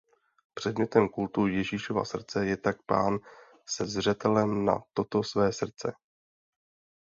Předmětem kultu Ježíšova Srdce je tak Pán se zřetelem na toto Své Srdce.